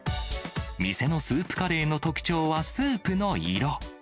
店のスープカレーの特徴はスープの色。